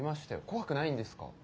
怖くないんですか？